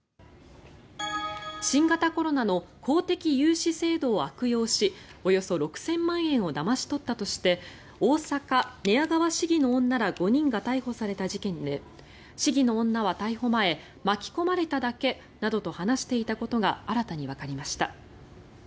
新型コロナの公的融資制度を悪用しおよそ６０００万円をだまし取ったとして大阪・寝屋川市議の女ら５人が逮捕された事件で市議の女は逮捕前巻き込まれただけなどと話していたことが新たにわかりました。